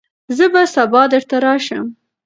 زه به سبا درته راشم.